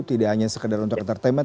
tidak hanya sekedar untuk entertainment